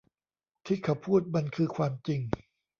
ที่เขาพูดมันคือความจริง